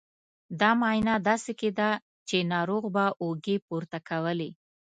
دا معاینه داسې کېده چې ناروغ به اوږې پورته کولې.